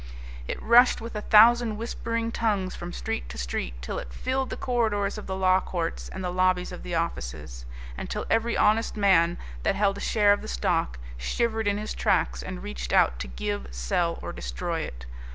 It rushed with a thousand whispering tongues from street to street till it filled the corridors of the law courts and the lobbies of the offices, and till every honest man that held a share of the stock shivered in his tracks and reached out to give, sell, or destroy it.